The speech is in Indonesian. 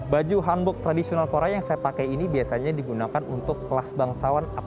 baju hanbok tradisional korea yang saya pakai ini biasanya digunakan untuk kelas bangsawan